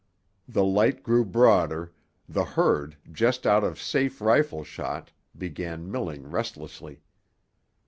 The light grew broader; the herd, just out of safe rifle shot, began milling restlessly.